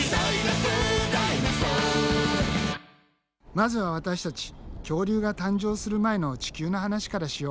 まずは私たち恐竜が誕生する前の地球の話からしよう。